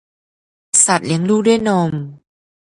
สัตว์เลี้ยงลูกด้วยนม